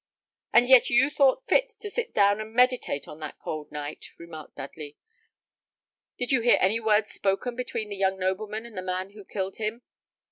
"And yet you thought fit to sit down and meditate on that cold night," remarked Dudley. "Did you hear any words spoken between the young nobleman and the man who killed him?"